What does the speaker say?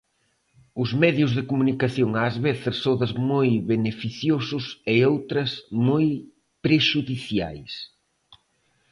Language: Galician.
Os medios de comunicación ás veces sodes moi beneficiosos e outras, moi prexudiciais.